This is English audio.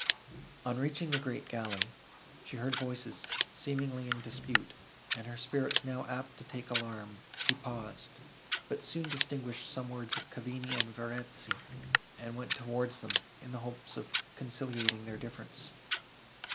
On reaching the great gallery, she heard voices seemingly in dispute, and, her spirits now apt to take alarm, she paused, but soon distinguished some words of Cavigni and Verezzi, and went towards them, in the hope of conciliating their difference.